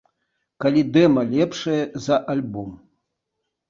Калі дэма лепшае за альбом.